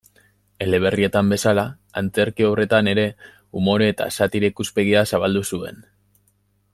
Eleberrietan bezala, antzerki obretan ere umore- eta satira-ikuspegia zabaldu zuen.